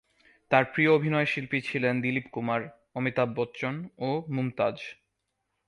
তার প্রিয় অভিনয়শিল্পী ছিলেন দিলীপ কুমার, অমিতাভ বচ্চন ও মুমতাজ।